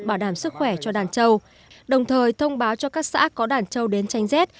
bảo đảm sức khỏe cho đàn trâu đồng thời thông báo cho các xã có đàn trâu đến tranh rét